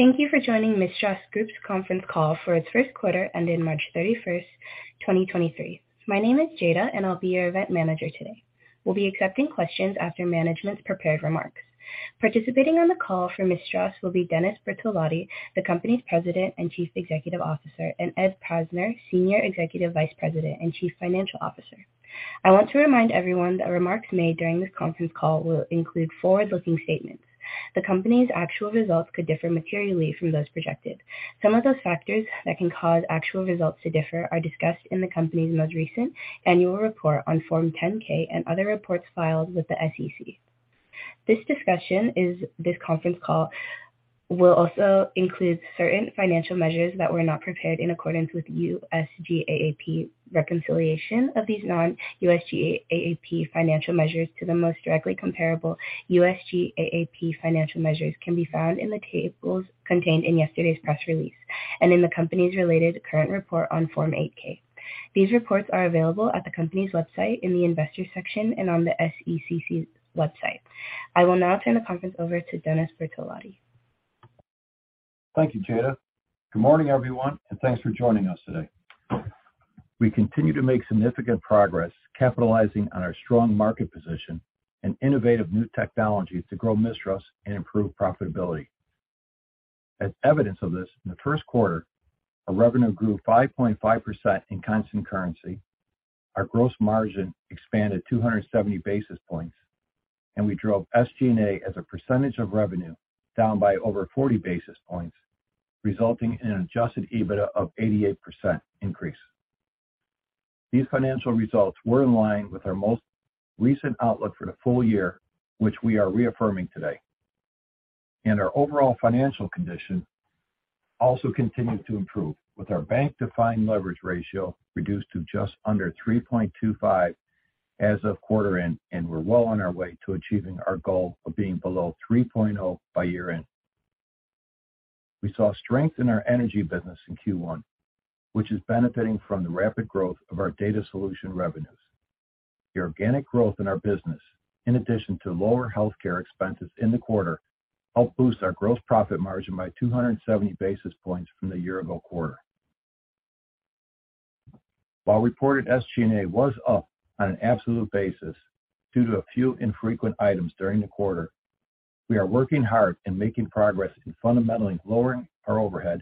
Thank you for joining Mistras Group's conference call for its 1st quarter ended March 31, 2023. My name is Jada, and I'll be your event manager today. We'll be accepting questions after management's prepared remarks. Participating on the call for Mistras will be Dennis Bertolotti, the company's President and Chief Executive Officer, and Ed Posner, Senior Executive Vice President and Chief Financial Officer. I want to remind everyone that remarks made during this conference call will include forward-looking statements. The company's actual results could differ materially from those projected. Some of those factors that can cause actual results to differ are discussed in the company's most recent annual report on Form 10-K and other reports filed with the SEC. This discussion is... This conference call will also include certain financial measures that were not prepared in accordance with U.S. GAAP. Reconciliation of these non-GAAP financial measures to the most directly comparable U.S. GAAP financial measures can be found in the tables contained in yesterday's press release and in the company's related current report on Form 8-K. These reports are available at the company's website in the investor section and on the SEC's website. I will now turn the conference over to Dennis Bertolotti. Thank you, Jada. Good morning, everyone, thanks for joining us today. We continue to make significant progress capitalizing on our strong market position and innovative new technologies to grow Mistras and improve profitability. As evidence of this, in the first quarter, our revenue grew 5.5% in constant currency. Our gross margin expanded 270 basis points, and we drove SG&A as a percentage of revenue down by over 40 basis points, resulting in an Adjusted EBITDA of 88% increase. These financial results were in line with our most recent outlook for the full year, which we are reaffirming today. Our overall financial condition also continued to improve with our bank-defined leverage ratio reduced to just under 3.25 as of quarter end, and we're well on our way to achieving our goal of being below 3.0 by year-end. We saw strength in our energy business in Q1, which is benefiting from the rapid growth of our Data Solutions revenues. The organic growth in our business, in addition to lower healthcare expenses in the quarter, helped boost our gross profit margin by 270 basis points from the year ago quarter. While reported SG&A was up on an absolute basis due to a few infrequent items during the quarter, we are working hard and making progress in fundamentally lowering our overhead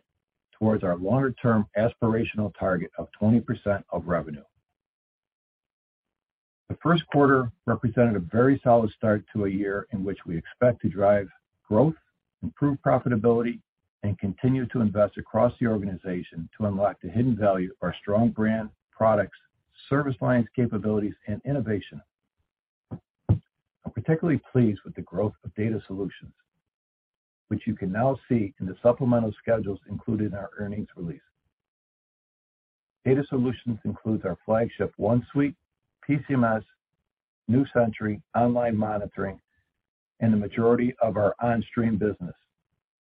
towards our longer-term aspirational target of 20% of revenue. The first quarter represented a very solid start to a year in which we expect to drive growth, improve profitability, and continue to invest across the organization to unlock the hidden value of our strong brand, products, service lines, capabilities, and innovation. I'm particularly pleased with the growth of Data Solutions, which you can now see in the supplemental schedules included in our earnings release. Data Solutions includes our flagship OneSuite, PCMS, New Century, online monitoring, and the majority of our OnStream business,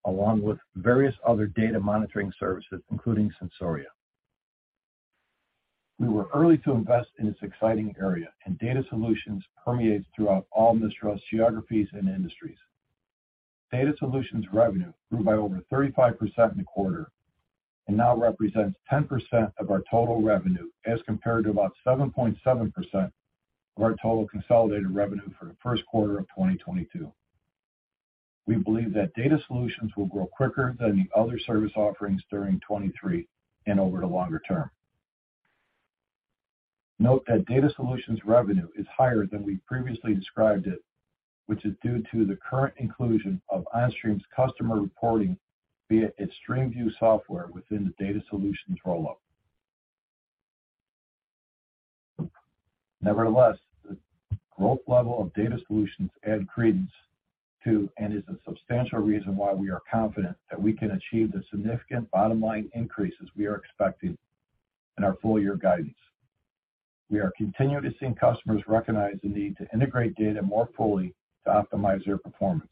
along with various other data monitoring services, including Sensoria. Data Solutions permeates throughout all Mistras geographies and industries. Data Solutions revenue grew by over 35% in the quarter and now represents 10% of our total revenue as compared to about 7.7% of our total consolidated revenue for the first quarter of 2022. We believe that Data Solutions will grow quicker than the other service offerings during 2023 and over the longer term. Note that Data Solutions revenue is higher than we previously described it, which is due to the current inclusion of OnStream's customer reporting via its StreamView software within the Data Solutions rollout. The growth level of Data Solutions adds credence to and is a substantial reason why we are confident that we can achieve the significant bottom line increases we are expecting in our full year guidance. We are continuing to seeing customers recognize the need to integrate data more fully to optimize their performance.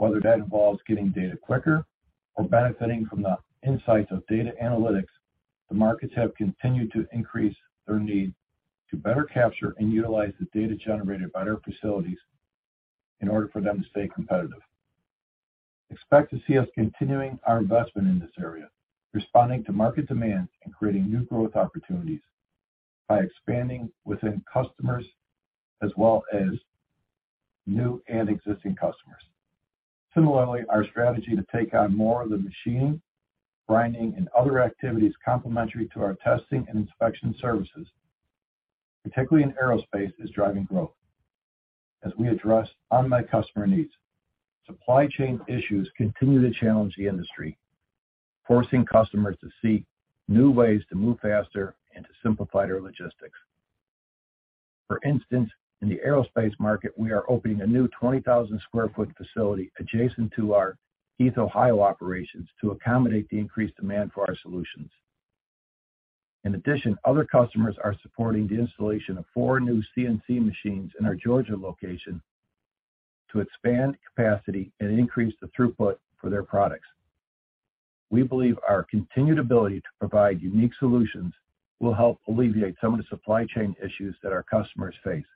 That involves getting data quicker or benefiting from the insights of data analytics, the markets have continued to increase their need to better capture and utilize the data generated by their facilities in order for them to stay competitive. Expect to see us continuing our investment in this area, responding to market demand and creating new growth opportunities by expanding within customers as well as new and existing customers. Similarly, our strategy to take on more of the machining, grinding, and other activities complementary to our testing and inspection services, particularly in aerospace, is driving growth as we address unmet customer needs. Supply chain issues continue to challenge the industry, forcing customers to seek new ways to move faster and to simplify their logistics. For instance, in the aerospace market, we are opening a new 20,000 sq. ft. facility adjacent to our East Ohio operations to accommodate the increased demand for our solutions. In addition, other customers are supporting the installation of four new CNC machines in our Georgia location to expand capacity and increase the throughput for their products. We believe our continued ability to provide unique solutions will help alleviate some of the supply chain issues that our customers face,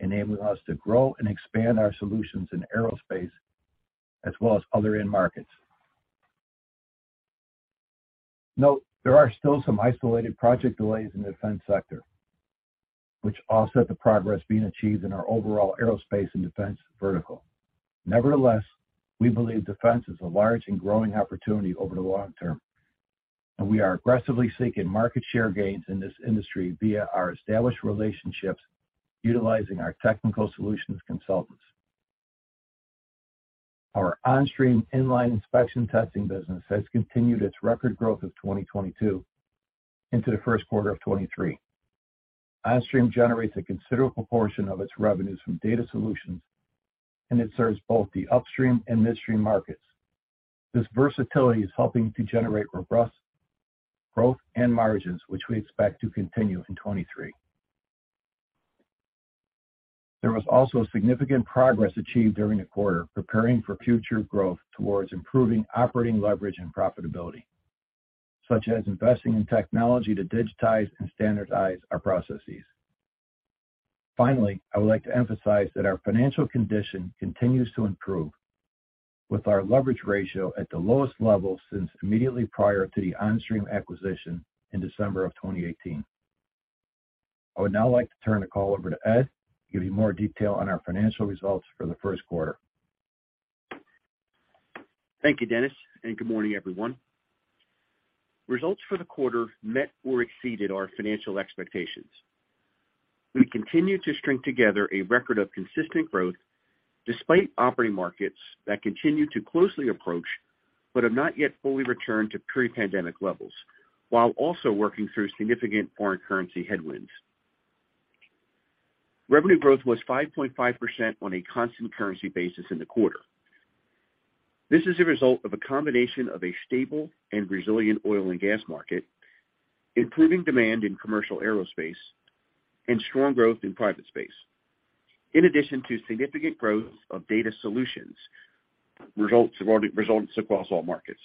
enabling us to grow and expand our solutions in aerospace as well as other end markets. Note there are still some isolated project delays in the defense sector, which offset the progress being achieved in our overall aerospace and defense vertical. Nevertheless, we believe defense is a large and growing opportunity over the long term, and we are aggressively seeking market share gains in this industry via our established relationships utilizing our technical solutions consultants. Our OnStream in-line inspection testing business has continued its record growth of 2022 into the first quarter of 2023. OnStream generates a considerable portion of its revenues from Data Solutions. It serves both the upstream and midstream markets. This versatility is helping to generate robust growth and margins, which we expect to continue in 2023. There was also significant progress achieved during the quarter preparing for future growth towards improving operating leverage and profitability, such as investing in technology to digitize and standardize our processes. Finally, I would like to emphasize that our financial condition continues to improve with our leverage ratio at the lowest level since immediately prior to the OnStream acquisition in December of 2018. I would now like to turn the call over to Ed to give you more detail on our financial results for the first quarter. Thank you, Dennis. Good morning, everyone. Results for the quarter met or exceeded our financial expectations. We continued to string together a record of consistent growth despite operating markets that continue to closely approach but have not yet fully returned to pre-pandemic levels, while also working through significant foreign currency headwinds. Revenue growth was 5.5% on a constant currency basis in the quarter. This is a result of a combination of a stable and resilient oil and gas market, improving demand in commercial aerospace and strong growth in private space. In addition to significant growth of Data Solutions results across all markets.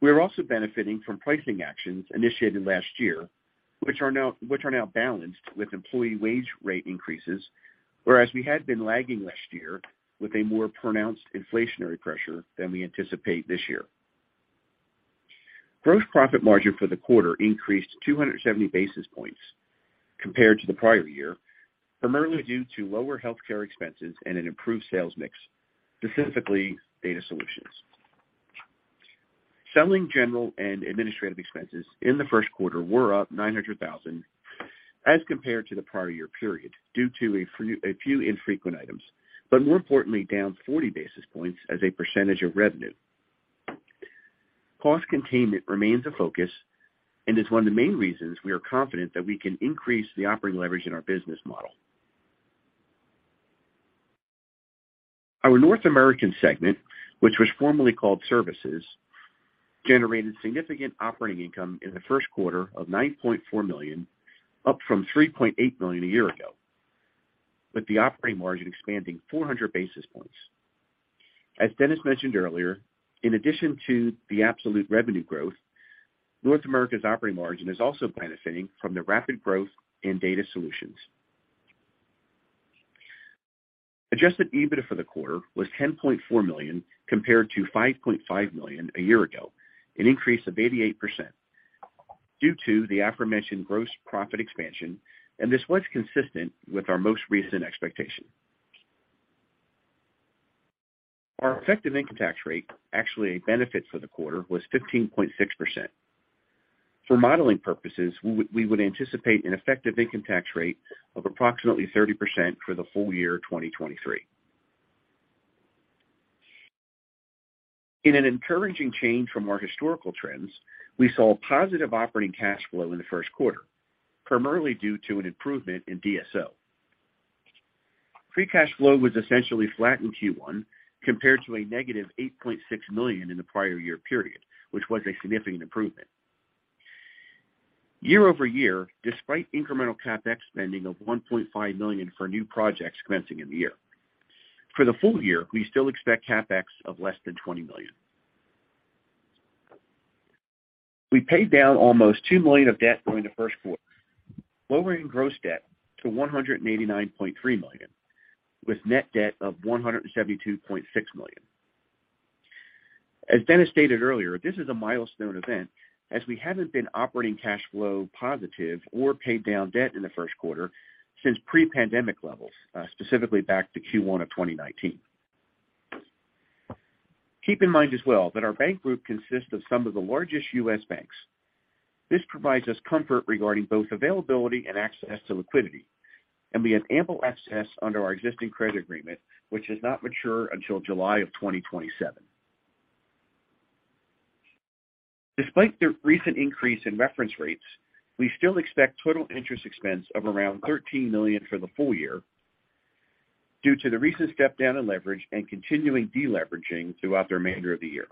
We are also benefiting from pricing actions initiated last year, which are now balanced with employee wage rate increases, whereas we had been lagging last year with a more pronounced inflationary pressure than we anticipate this year. Gross profit margin for the quarter increased 270 basis points compared to the prior year, primarily due to lower healthcare expenses and an improved sales mix, specifically Data Solutions. Selling, general and administrative expenses in the first quarter were up $900,000 as compared to the prior year period due to a few infrequent items, but more importantly down 40 basis points as a percentage of revenue. Cost containment remains a focus and is one of the main reasons we are confident that we can increase the operating leverage in our business model. Our North America segment, which was formerly called Services, generated significant operating income in the first quarter of $9.4 million, up from $3.8 million a year ago, with the operating margin expanding 400 basis points. As Dennis mentioned earlier, in addition to the absolute revenue growth, North America's operating margin is also benefiting from the rapid growth in Data Solutions. Adjusted EBITDA for the quarter was $10.4 million compared to $5.5 million a year ago, an increase of 88% due to the aforementioned gross profit expansion. This was consistent with our most recent expectation. Our effective income tax rate, actually a benefit for the quarter, was 15.6%. For modeling purposes, we would anticipate an effective income tax rate of approximately 30% for the full year 2023. In an encouraging change from our historical trends, we saw positive operating cash flow in the first quarter, primarily due to an improvement in DSO. Free cash flow was essentially flat in Q1 compared to a negative $8.6 million in the prior year period, which was a significant improvement. Year-over-year, despite incremental CapEx spending of $1.5 million for new projects commencing in the year. For the full year, we still expect CapEx of less than $20 million. We paid down almost $2 million of debt during the first quarter, lowering gross debt to $189.3 million, with net debt of $172.6 million. As Dennis stated earlier, this is a milestone event as we haven't been operating cash flow positive or paid down debt in the first quarter since pre-pandemic levels, specifically back to Q1 of 2019. Keep in mind as well that our bank group consists of some of the largest U.S. banks. This provides us comfort regarding both availability and access to liquidity. We have ample access under our existing credit agreement, which does not mature until July of 2027. Despite the recent increase in reference rates, we still expect total interest expense of around $13 million for the full year due to the recent step down in leverage and continuing deleveraging throughout the remainder of the year.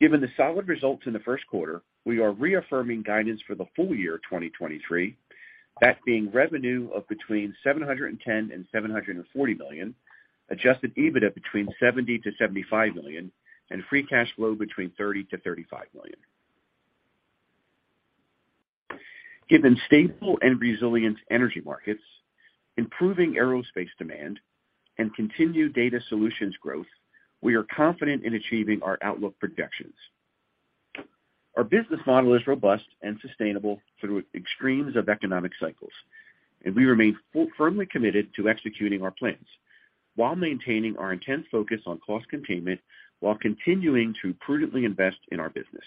Given the solid results in the first quarter, we are reaffirming guidance for the full year 2023, that being revenue of between $710 million and $740 million, Adjusted EBITDA between $70 million–$75 million, and free cash flow between $30 million–$35 million. Given stable and resilient energy markets, improving aerospace demand, and continued Data Solutions growth, we are confident in achieving our outlook projections. Our business model is robust and sustainable through extremes of economic cycles, and we remain firmly committed to executing our plans while maintaining our intense focus on cost containment, while continuing to prudently invest in our business.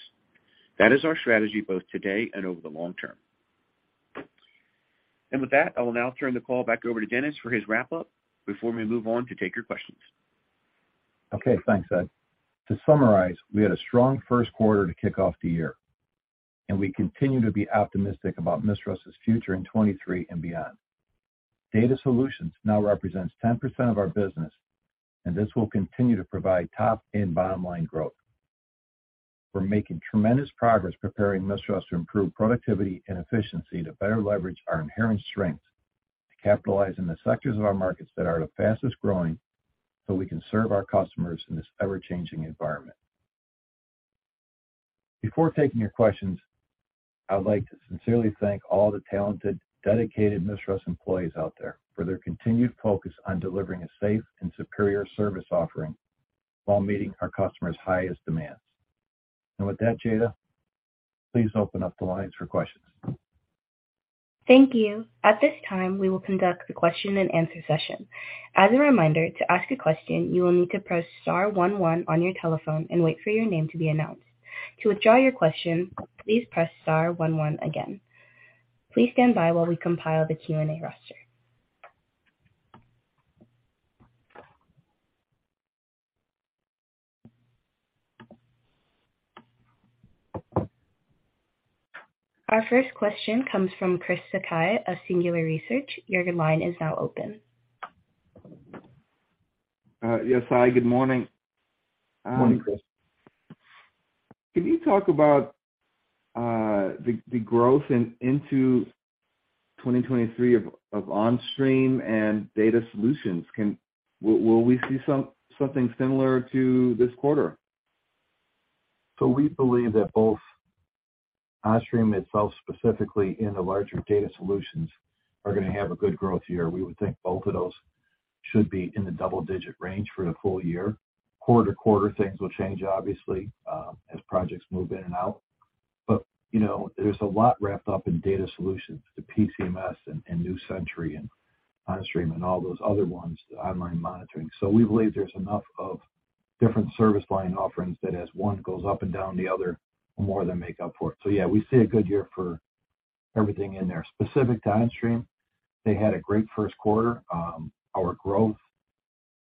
That is our strategy both today and over the long term. With that, I will now turn the call back over to Dennis for his wrap-up before we move on to take your questions. Okay. Thanks, Ed. To summarize, we had a strong first quarter to kick off the year, and we continue to be optimistic about Mistras' future in 23 and beyond. Data Solutions now represents 10% of our business, and this will continue to provide top and bottom-line growth. We're making tremendous progress preparing Mistras to improve productivity and efficiency to better leverage our inherent strengths to capitalize in the sectors of our markets that are the fastest growing, so we can serve our customers in this ever-changing environment. Before taking your questions, I would like to sincerely thank all the talented, dedicated Mistras employees out there for their continued focus on delivering a safe and superior service offering while meeting our customers' highest demands. With that, Jada, please open up the lines for questions. Thank you. At this time, we will conduct the question-and-answer session. As a reminder, to ask a question, you will need to press star one one on your telephone and wait for your name to be announced. To withdraw your question, please press star one one again. Please stand by while we compile the Q&A roster. Our first question comes from Chris Sakai of Singular Research. Your line is now open. Yes. Hi, good morning. Morning, Chris. Can you talk about the growth into 2023 of OnStream and Data Solutions? Will we see something similar to this quarter? We believe that both OnStream itself, specifically in the larger Data Solutions, are going to have a good growth year. We would think both of those should be in the double-digit range for the full year. Quarter to quarter, things will change obviously, as projects move in and out. You know, there's a lot wrapped up in Data Solutions to PCMS and New Century Software and OnStream and all those other ones, the online monitoring. We believe there's enough of different service line offerings that as one goes up and down, the other will more than make up for it. Yeah, we see a good year for everything in there. Specific to OnStream, they had a great first quarter. Our growth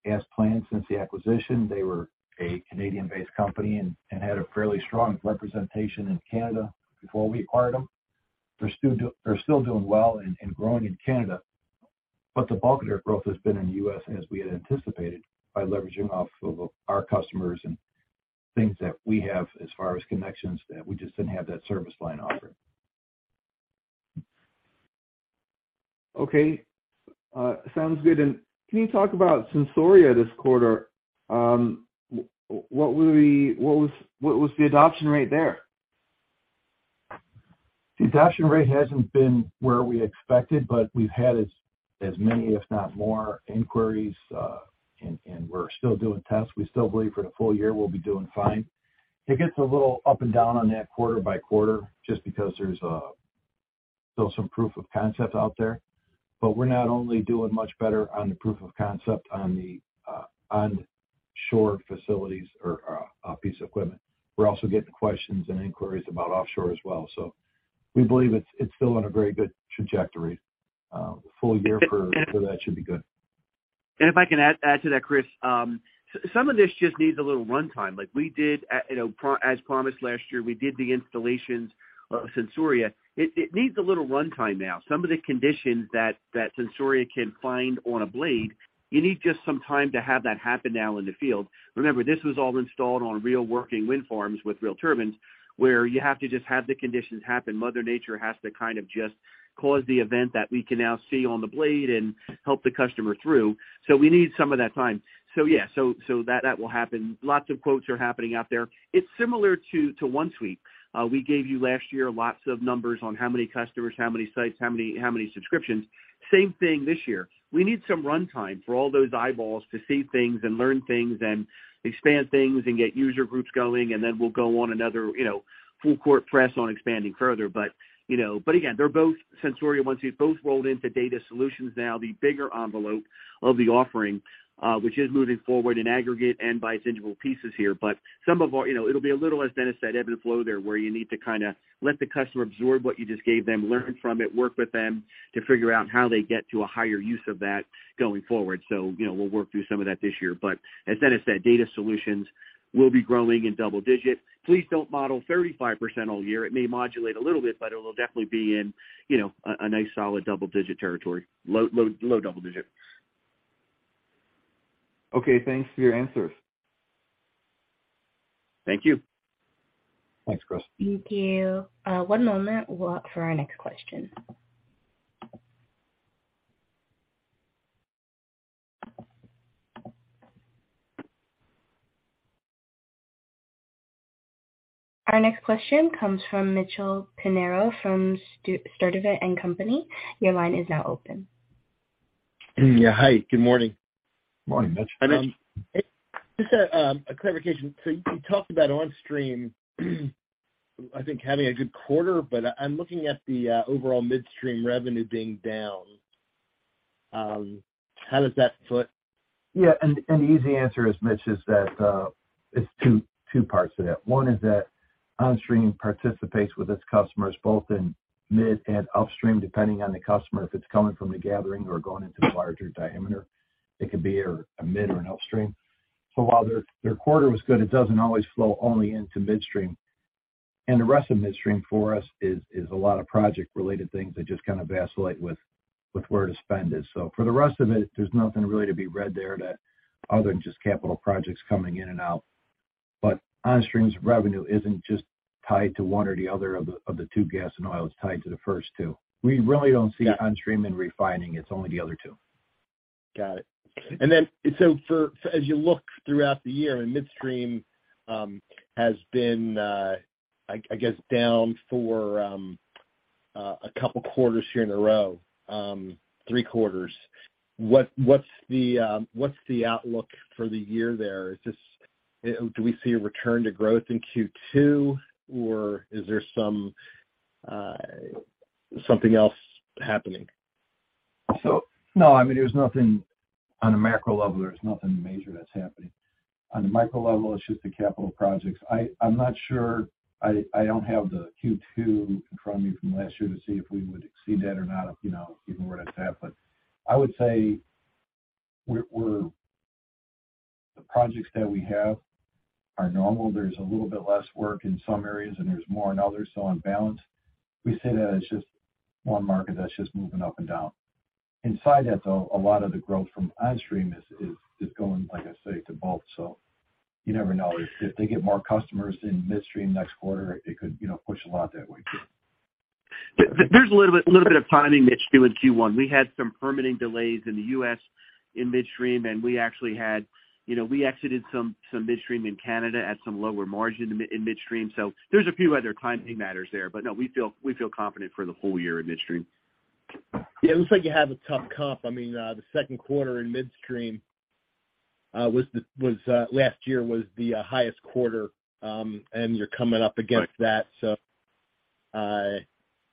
as planned since the acquisition. They were a Canadian-based company and had a fairly strong representation in Canada before we acquired them. They're still doing well and growing in Canada, but the bulk of their growth has been in the U.S. as we had anticipated by leveraging off of our customers and things that we have as far as connections that we just didn't have that service line offering. Okay, sounds good. Can you talk about Sensoria this quarter? What was the adoption rate there? The adoption rate hasn't been where we expected. We've had as many, if not more, inquiries, and we're still conducting tests. We still believe for the full year we'll be doing fine. It gets a little up and down on that quarter by quarter, just because there's still some proof of concept out there. We're not only doing much better on the proof of concept on the onshore facilities or piece of equipment. We're also getting questions and inquiries about offshore as well. We believe it's still on a very good trajectory. The full year for- And, and if- That should be good. If I can add to that, Chris. Some of this just needs a little run time. Like we did, you know, as promised last year, we did the installations of Sensoria. It needs a little run time now. Some of the conditions that Sensoria can find on a blade, you need just some time to have that happen now in the field. Remember, this was all installed on real working wind farms with real turbines, where you have to just have the conditions happen. Mother Nature has to kind of just cause the event that we can now see on the blade and help the customer through. We need some of that time. Yeah. So that will happen. Lots of quotes are happening out there. It's similar to OneSuite. We gave you last year lots of numbers on how many customers, how many sites, how many, how many subscriptions. Same thing this year. We need some run time for all those eyeballs to see things and learn things and expand things and get user groups going, and then we'll go on another, you know, full court press on expanding further. You know, but again, they're both Sensoria and OneSuite, both rolled into Data Solutions now, the bigger envelope of the offering, which is moving forward in aggregate and by its individual pieces here. Some of our, you know, it'll be a little, as Dennis said, ebb and flow there, where you need to kind of let the customer absorb what you just gave them, learn from it, work with them to figure out how they get to a higher use of that going forward. You know, we'll work through some of that this year. As Dennis said, Data Solutions will be growing in double-digit. Please don't model 35% all year. It may modulate a little bit, but it'll definitely be in, you know, a nice solid double-digit territory. Low, low, low double-digit. Okay. Thanks for your answers. Thank you. Thanks, Chris. Thank you. One moment. We'll look for our next question. Our next question comes from Mitchell Pinheiro from Sturdivant & Co.. Your line is now open. Yeah, hi, good morning. Morning, Mitch. Hi, Mitch. Just a clarification. You talked about OnStream, I think, having a good quarter, but I'm looking at the overall midstream revenue being down. How does that fit? Yeah. The easy answer is, Mitch, is that it's two parts to that. One is that OnStream participates with its customers both in mid and upstream, depending on the customer. If it's coming from the gathering or going into larger diameter, it could be a mid or an upstream. While their quarter was good, it doesn't always flow only into midstream. The rest of midstream for us is a lot of project related things that just kind of vacillate with where to spend it. For the rest of it, there's nothing really to be read there that other than just capital projects coming in and out. OnStream's revenue isn't just tied to one or the other of the two gas and oils tied to the first two. We really don't see. Got it. OnStream and refining. It's only the other two. Got it. As you look throughout the year and midstream has been, I guess down for a couple quarters here in a row, three quarters. What's the outlook for the year there? Do we see a return to growth in Q2 or is there something else happening? No, I mean, there's nothing on a macro level. There's nothing major that's happening. On a micro level, it's just the capital projects. I'm not sure. I don't have the Q2 in front of me from last year to see if we would exceed that or not, you know, even where that's at. I would say we're the projects that we have are normal. There's a little bit less work in some areas, and there's more in others. On balance, we say that it's just one market that's just moving up and down. Inside that, though, a lot of the growth from OnStream is going, like I say, to both. You never know. If they get more customers in midstream next quarter, it could, you know, push a lot that way too. There's a little bit of timing, Mitch, too, in Q1. We had some permitting delays in the U.S. in midstream. You know, we exited some midstream in Canada at some lower margin in midstream. There's a few other timing matters there. No, we feel confident for the whole year in midstream. Yeah, it looks like you have a tough comp. I mean, the second quarter in midstream, was last year the highest quarter, and you're coming up against that. Right.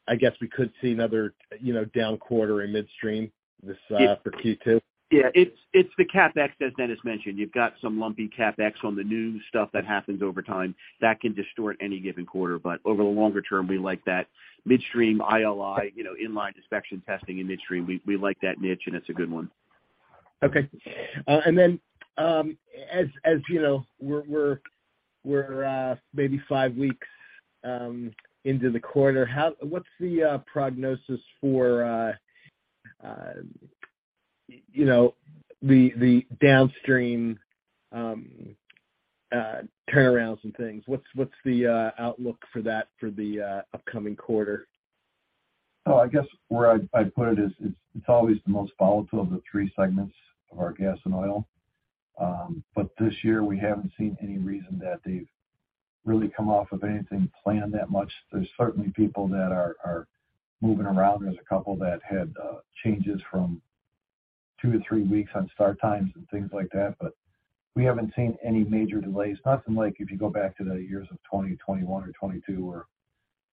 I guess we could see another, you know, down quarter in midstream this for Q2? Yeah, it's the CapEx, as Dennis mentioned. You've got some lumpy CapEx on the new stuff that happens over time that can distort any given quarter. Over the longer term, we like that midstream ILI, you know, in-line inspection testing in midstream. We like that niche, and it's a good one. Okay. as you know, we're maybe five weeks into the quarter. What's the prognosis for, you know, the downstream turnarounds and things? What's the outlook for that for the upcoming quarter? I guess where I'd put it is it's always the most volatile of the three segments of our gas and oil. This year, we haven't seen any reason that they've really come off of anything planned that much. There's certainly people that are moving around. There's a couple that had changes from two to three weeks on start times and things like that, but we haven't seen any major delays. Nothing like if you go back to the years of 2020, 2021 or 2022, or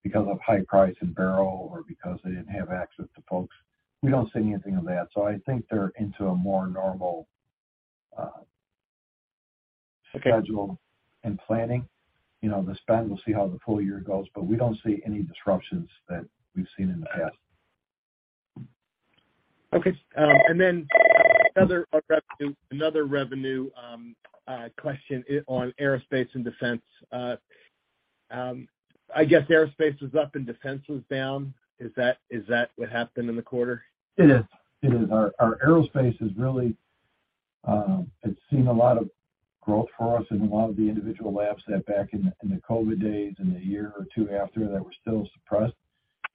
because of high price in barrel or because they didn't have access to folks. We don't see anything of that. I think they're into a more normal. Okay.... schedule and planning. You know, the spend, we'll see how the full year goes, but we don't see any disruptions that we've seen in the past. Okay. Another revenue question on aerospace and defense. I guess aerospace was up and defense was down. Is that what happened in the quarter? It is. It is. Our aerospace is really, it's seen a lot of growth for us in a lot of the individual labs that back in the COVID days and the year or two after that were still suppressed.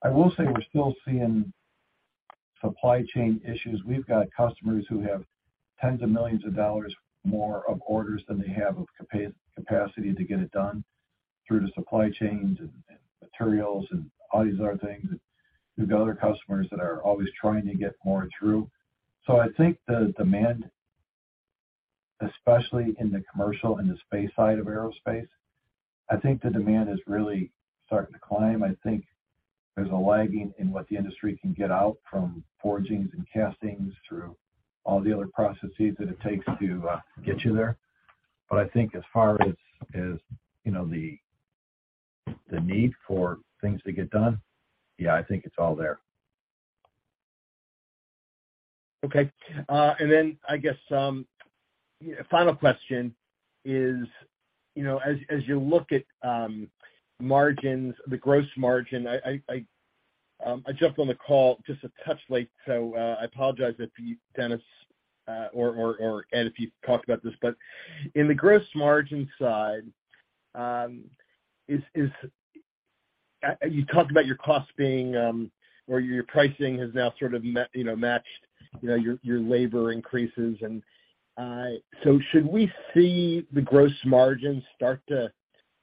I will say we're still seeing supply chain issues. We've got customers who have tens of millions of dollars more of orders than they have of capacity to get it done through the supply chains and materials and all these other things. We've got other customers that are always trying to get more through. I think the demand, especially in the commercial and the space side of aerospace, I think the demand is really starting to climb. I think there's a lagging in what the industry can get out from forgings and castings through all the other processes that it takes to get you there. I think as far as, you know, the need for things to get done, yeah, I think it's all there. Okay. Then I guess, final question is, you know, as you look at margins, the gross margin. I jumped on the call just a touch late, so I apologize if you, Dennis, or Ed, if you talked about this. In the gross margin side, you talked about your cost being, or your pricing has now sort of you know, matched, you know, your labor increases. Should we see the gross margin start to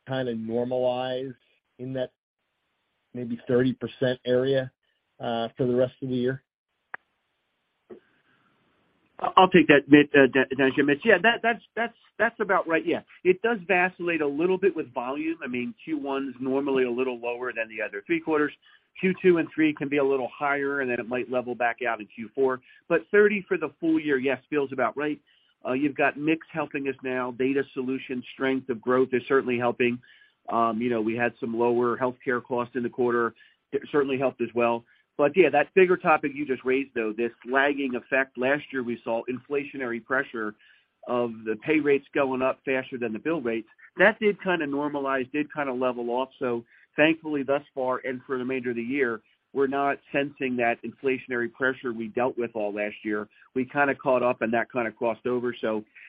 kinda normalize in that maybe 30% area for the rest of the year? I'll take that, Mitch, Dennis and Mitch. That's about right. It does vacillate a little bit with volume. I mean, Q1 is normally a little lower than the other three quarters. Q2 and Q3 can be a little higher, and then it might level back out in Q4. 30 for the full year, yes, feels about right. You've got mix helping us now. Data Solutions strength of growth is certainly helping. You know, we had some lower healthcare costs in the quarter. It certainly helped as well. That bigger topic you just raised, though, this lagging effect. Last year, we saw inflationary pressure of the pay rates going up faster than the bill rates. That did kind of normalize, did kind of level off. Thankfully, thus far and for the remainder of the year, we're not sensing that inflationary pressure we dealt with all last year. We kinda caught up, and that kinda crossed over.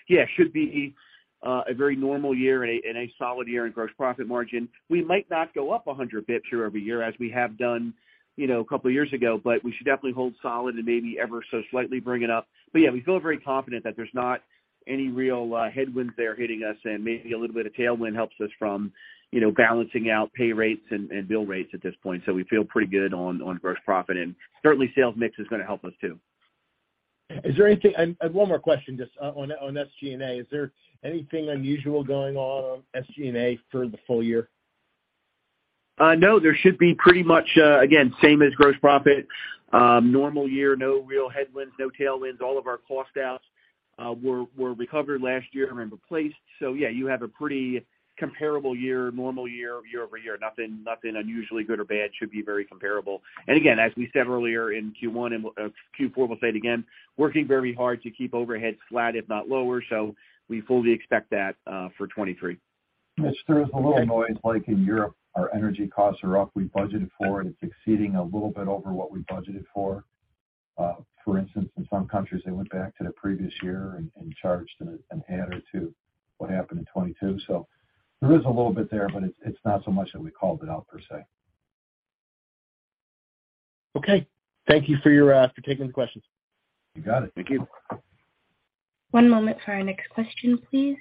Yeah, it should be a very normal year and a solid year in gross profit margin. We might not go up a hundred bits year-over-year as we have done, you know, a couple of years ago. We should definitely hold solid and maybe ever so slightly bring it up. Yeah, we feel very confident that there's not any real headwinds there hitting us, and maybe a little bit of tailwind helps us from, you know, balancing out pay rates and bill rates at this point. We feel pretty good on gross profit, and certainly sales mix is gonna help us too. One more question just on SG&A. Is there anything unusual going on on SG&A for the full year? No, there should be pretty much, again, same as gross profit, normal year, no real headwinds, no tailwinds. All of our cost outs were recovered last year and replaced. Yeah, you have a pretty comparable year, normal year-over-year. Nothing unusually good or bad. Should be very comparable. Again, as we said earlier in Q1 and Q4, we'll say it again, working very hard to keep overhead flat, if not lower. We fully expect that for 2023. Mitch, there is a little noise, like in Europe, our energy costs are up. We budgeted for it. It's exceeding a little bit over what we budgeted for. For instance, in some countries, they went back to the previous year and charged an add or two what happened in 2022. There is a little bit there, but it's not so much that we called it out per se. Okay. Thank you for your, for taking the questions. You got it. Thank you. One moment for our next question, please.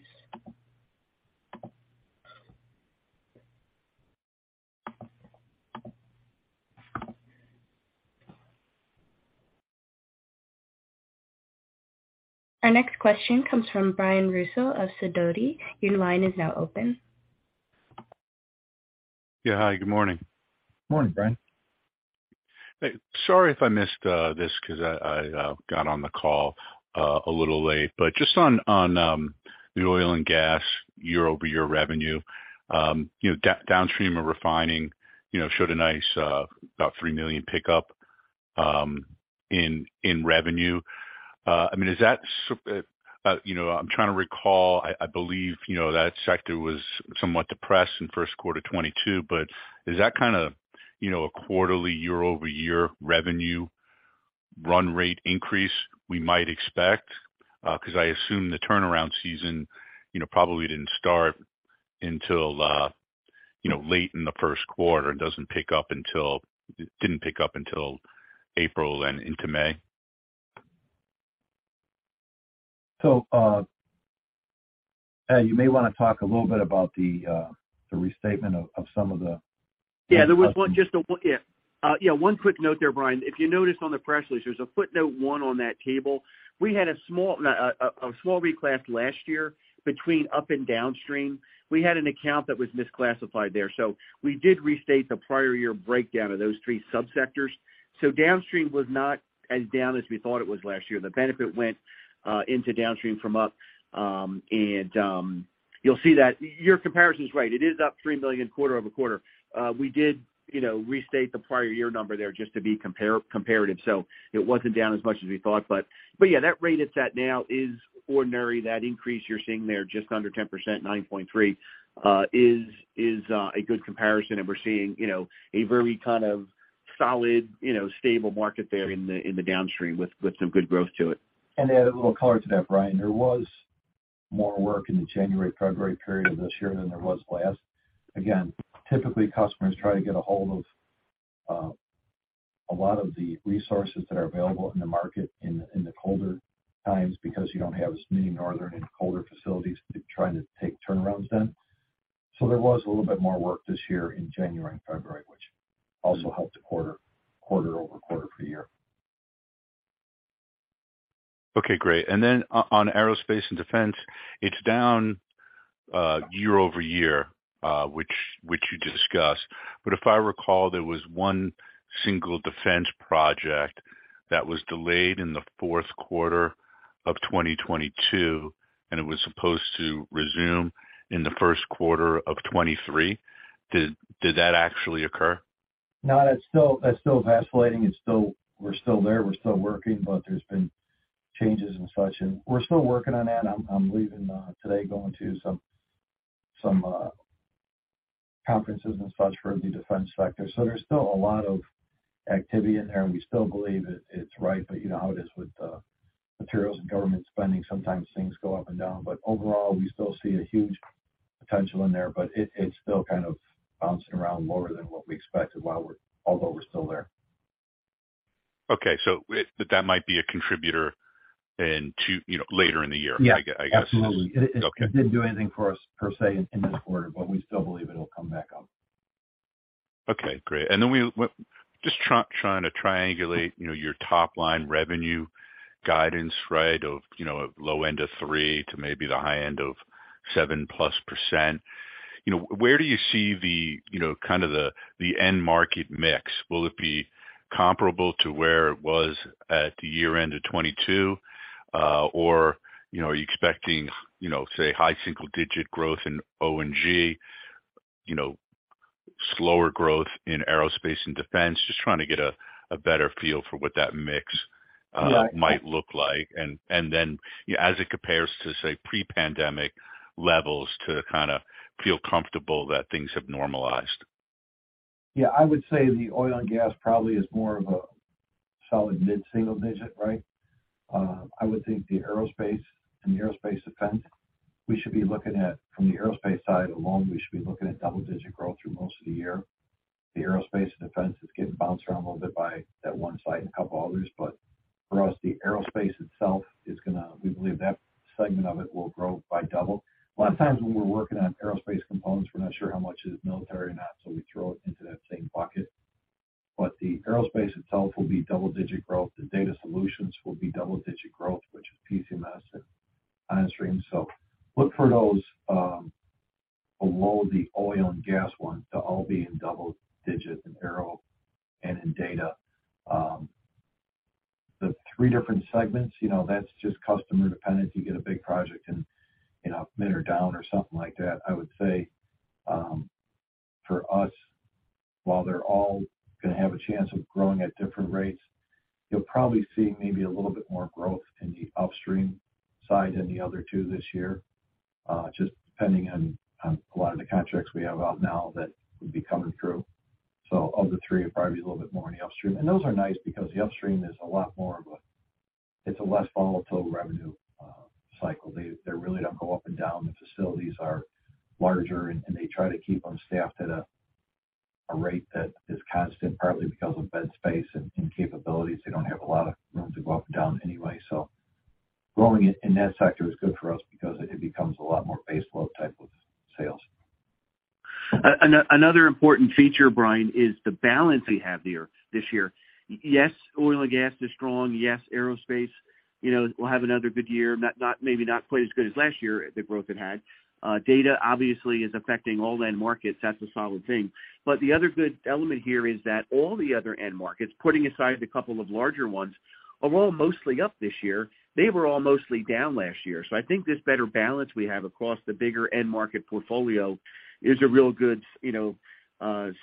Our next question comes from Brian Russo of Sidoti. Your line is now open. Yeah. Hi, good morning. Morning, Brian. Sorry if I missed this because I got on the call a little late. Just on the oil and gas year-over-year revenue, you know, downstream of refining, you know, showed a nice about $3 million pickup in revenue. I mean, is that, you know, I'm trying to recall. I believe, you know, that sector was somewhat depressed in first quarter 2022, but is that kinda, you know, a quarterly year-over-year revenue run rate increase we might expect? Because I assume the turnaround season, you know, probably didn't start until, you know, late in the first quarter and didn't pick up until April and into May. Ed, you may wanna talk a little bit about the restatement of some of the. There was one, just a one. Yeah, one quick note there, Brian. If you noticed on the press release, there's a footnote 1 on that table. We had a small, a small reclass last year between up and downstream. We had an account that was misclassified there. We did restate the prior year breakdown of those three subsectors. Downstream was not as down as we thought it was last year. The benefit went into downstream from up. You'll see that. Your comparison is right. It is up $3 million quarter-over-quarter. We did, you know, restate the prior year number there just to be comparative. It wasn't down as much as we thought. Yeah, that rate it's at now is ordinary. That increase you're seeing there, just under 10%, 9.3, is a good comparison. We're seeing, you know, a very kind of solid, you know, stable market there in the, in the downstream with some good growth to it. To add a little color to that, Brian, there was more work in the January-February period of this year than there was last. Again, typically, customers try to get a hold of a lot of the resources that are available in the market in the colder times because you don't have as many northern and colder facilities trying to take turnarounds then. There was a little bit more work this year in January and February, which also helped the quarter-over-quarter for year. Okay, great. On aerospace and defense, it's down, year-over-year, which you discussed. If I recall, there was one single defense project that was delayed in Q4 of 2022, and it was supposed to resume in Q1 of 2023. Did that actually occur? No, that's still, that's still vacillating. It's still... We're still there, we're still working, but there's been changes and such, and we're still working on that. I'm leaving today going to some conferences and such for the defense sector. There's still a lot of activity in there, and we still believe it's right. You know how it is with materials and government spending, sometimes things go up and down. Overall, we still see a huge potential in there, but it's still kind of bouncing around lower than what we expected although we're still there. Okay. That might be a contributor in two... You know, later in the year, I guess. Yeah, absolutely. Okay. It didn't do anything for us per se in this quarter, but we still believe it'll come back up. Okay, great. Well, just trying to triangulate, you know, your top line revenue guidance, right, of, you know, low end of 3%-maybe the high end of 7+%. You know, where do you see the, you know, kind of the end market mix? Will it be comparable to where it was at the year-end of 2022? You know, are you expecting, you know, say, high single-digit growth in O&G, you know, slower growth in aerospace and defense? Just trying to get a better feel for what that mix. Yeah.... might look like. Then, you know, as it compares to, say, pre-pandemic levels to kinda feel comfortable that things have normalized. Yeah. I would say the oil and gas probably is more of a solid mid-single digit, right? I would think the aerospace and the aerospace defense, we should be looking at... From the aerospace side alone, we should be looking at double-digit growth through most of the year. The aerospace and defense is getting bounced around a little bit by that one site and a couple others. For us, the aerospace itself we believe that segment of it will grow by double. A lot of times when we're working on aerospace components, we're not sure how much is military or not, so we throw it into that same bucket. The aerospace itself will be double-digit growth. The Data Solutions will be double-digit growth, which is PCMS and OnStream. Look for those below the oil and gas one to all be in double-digit in aero and in data. The three different segments, you know, that's just customer dependent. You get a big project and, you know, mid or down or something like that. I would say, for us, while they're all gonna have a chance of growing at different rates, you'll probably see maybe a little bit more growth in the upstream side than the other two this year, just depending on a lot of the contracts we have out now that would be coming through. Of the three, it'd probably be a little bit more in the upstream. Those are nice because the upstream is a lot more of. It's a less volatile revenue cycle. They really don't go up and down. The facilities are larger and they try to keep them staffed at a rate that is constant, partly because of bed space and capabilities. They don't have a lot of room to go up and down anyway. Growing it in that sector is good for us because it becomes a lot more base load type of sales. Another important feature, Brian, is the balance we have here this year. Yes, oil and gas is strong. Yes, aerospace, you know, will have another good year. Not maybe not quite as good as last year, the growth it had. Data obviously is affecting all end markets. That's a solid thing. The other good element here is that all the other end markets, putting aside a couple of larger ones, are all mostly up this year. They were all mostly down last year. I think this better balance we have across the bigger end market portfolio is a real good,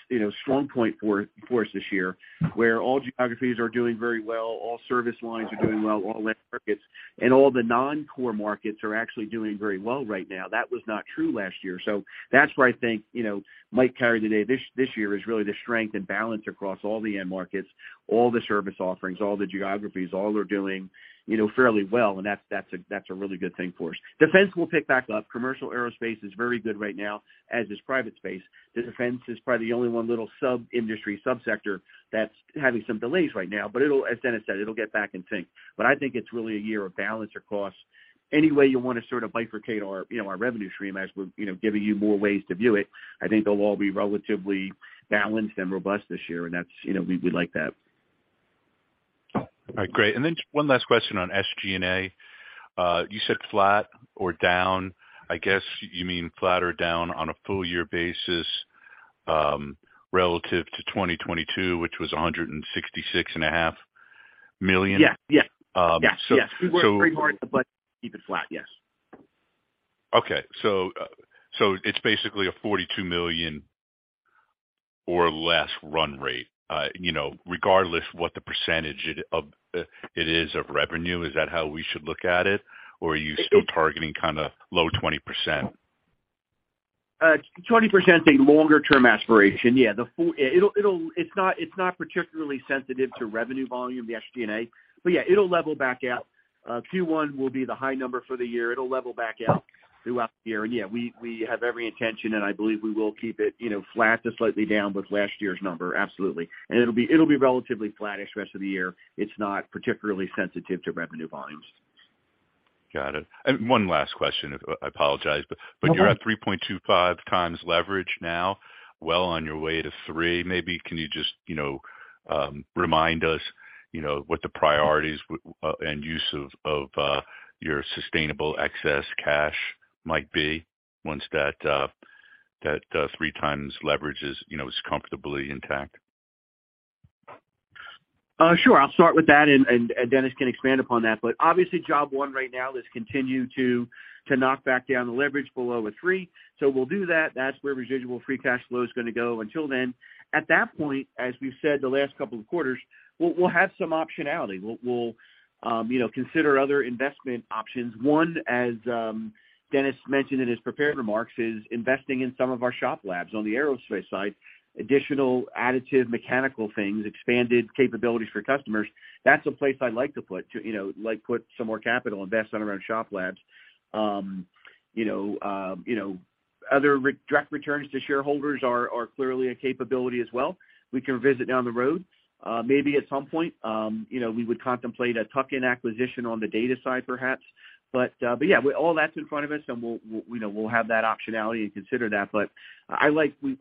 you know, strong point for us this year, where all geographies are doing very well, all service lines are doing well, all end markets. All the non-core markets are actually doing very well right now. That was not true last year. That's where I think, you know, might carry the day. This, this year is really the strength and balance across all the end markets, all the service offerings, all the geographies, all are doing, you know, fairly well. That's, that's a, that's a really good thing for us. Defense will pick back up. Commercial aerospace is very good right now, as is private space. The defense is probably the only one little sub-industry, sub-sector that's having some delays right now. It'll, as Dennis said, it'll get back in sync. I think it's really a year of balance across any way you wanna sort of bifurcate our, you know, our revenue stream as we're, you know, giving you more ways to view it. I think they'll all be relatively balanced and robust this year. That's, you know, we like that. All right, great. One last question on SG&A. You said flat or down. I guess you mean flat or down on a full year basis, relative to 2022, which was $166.5 million. Yeah, yeah. Um, so- Yes. We worked very hard to keep it flat. Yes. Okay. It's basically a $42 million or less run rate, you know, regardless what the percentage of, it is of revenue. Is that how we should look at it? Are you still targeting kinda low 20%? 20%'s a longer-term aspiration. Yeah. It's not particularly sensitive to revenue volume, the SG&A. Yeah, it'll level back out. Q1 will be the high number for the year. It'll level back out throughout the year. Yeah, we have every intention, and I believe we will keep it, you know, flat to slightly down with last year's number. Absolutely. It'll be relatively flat-ish rest of the year. It's not particularly sensitive to revenue volumes. Got it. One last question. I apologize. No problem. You're at 3.25 times leverage now. Well on your way to three maybe. Can you just, you know, remind us, you know, what the priorities and use of your sustainable excess cash might be once that 3 times leverage is, you know, is comfortably intact? Sure. I'll start with that and Dennis can expand upon that. Obviously, Job one right now is to continue to reduce leverage below 3.0x. We'll do that. That's where residual free cash flow is gonna go until then. At that point, as we've said the last couple of quarters, we'll have some optionality. We'll, you know, consider other investment options. One, as Dennis mentioned in his prepared remarks, is investing in some of our shop labs on the aerospace side, additional additive mechanical things, expanded capabilities for customers. That's a place I'd like to put to, you know, like, put some more capital, invest in our own shop labs. You know, you know, other direct returns to shareholders are clearly a capability as well we can visit down the road. Maybe at some point, you know, we would contemplate a tuck-in acquisition on the data side perhaps. Yeah, all that's in front of us, and we'll, you know, we'll have that optionality and consider that.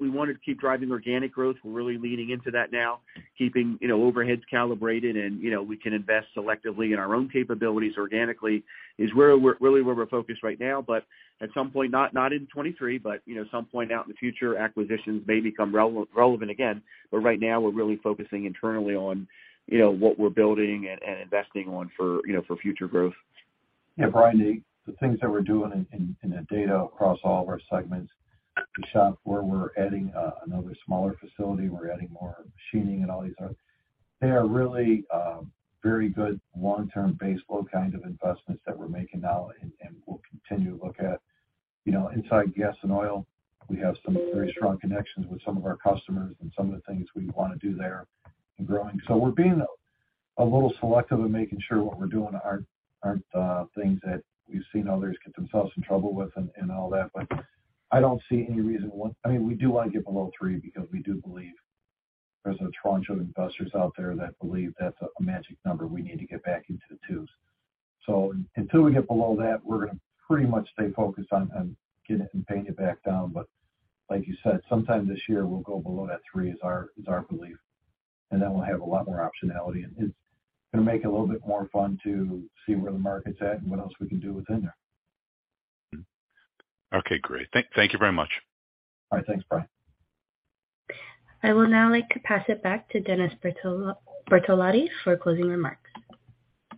We wanted to keep driving organic growth. We're really leaning into that now, keeping, you know, overheads calibrated and, you know, we can invest selectively in our own capabilities organically is really where we're focused right now. At some point, not in 23, but, you know, some point out in the future, acquisitions may become relevant again. Right now we're really focusing internally on, you know, what we're building and investing on for, you know, for future growth. Brian, the things that we're doing in data across all of our segments, the shop where we're adding another smaller facility, we're adding more machining and all these other. They are really very good long-term base load kind of investments that we're making now and we'll continue to look at. You know, inside gas and oil, we have some very strong connections with some of our customers and some of the things we wanna do there in growing. We're being a little selective in making sure what we're doing aren't things that we've seen others get themselves in trouble with and all that. I don't see any reason. I mean, we do wanna get below three because we do believe there's a tranche of investors out there that believe that's a magic number. We need to get back into the 2s. Until we get below that, we're going to pretty much stay focused on getting it and paying it back down. Like you said, sometime this year we'll go below that 3 is our belief. Then we'll have a lot more optionality. It's going to make it a little bit more fun to see where the market's at and what else we can do within there. Okay, great. Thank you very much. All right. Thanks, Brian. I will now pass it back to Dennis Bertolotti for closing remarks.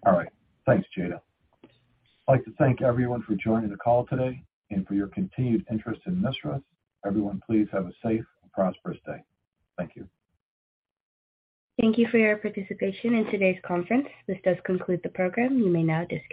All right. Thanks, Jada. I'd like to thank everyone for joining the call today and for your continued interest in Mistras. Everyone, please have a safe and prosperous day. Thank you. Thank you for your participation in today's conference. This does conclude the program. You may now disconnect.